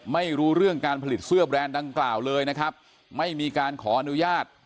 ไม่รู้เรื่องการผลิตเสื้อแบรนด์ดังกล่าวเลยนะครับไม่มีการขออนุญาต